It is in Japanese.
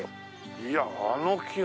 いやあの木が。